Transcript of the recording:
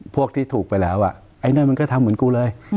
พวกที่ถูกไปแล้วไอ้นั่นมันก็ทำเหมือนกูเลย